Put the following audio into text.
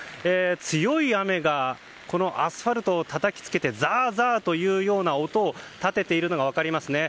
強い雨がアスファルトをたたきつけてザーザーというような音を立てているのが分かりますね。